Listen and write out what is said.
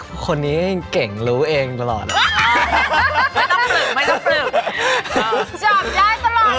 โอ้ยคนนี้เก่งรู้เองตลอดไม่ต้องปลึก